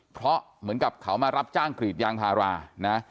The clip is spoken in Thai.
เพราะเหมือนกับเขามารับจ้างกรีดยางพารานะ